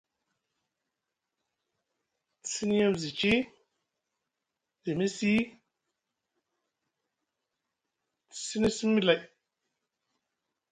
Te sini yem zi ci, zi mi siy, te zini simi lay.